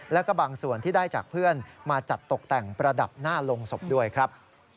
แล้วก็บางส่วนที่ได้จากเพื่อนมาจัดตกแต่งประดับหน้าลงศพด้วยครับ